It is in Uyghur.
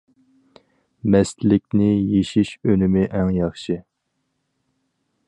مەستلىكنى يېشىش ئۈنۈمى ئەڭ ياخشى.